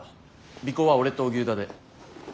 尾行は俺と荻生田で。